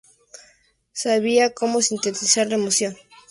Sabía como sintetizar la emoción de un momento con trazo intenso y breve.